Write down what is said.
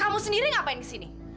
kamu sendiri ngapain kesini